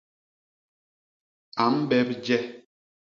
A mbep je.